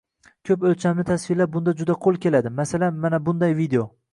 Ko‘p o‘lchamli tasvirlar bunda juda qo‘l keladi, masalan, mana bunday video: